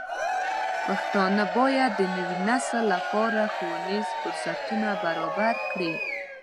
پښتانه بايد د نوي نسل لپاره ښوونیز فرصتونه برابر کړي.